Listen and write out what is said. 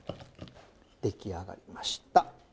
出来上がりました。